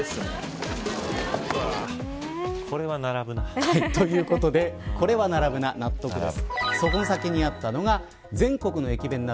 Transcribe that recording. これは並ぶな。ということでこれは並ぶな、納得です。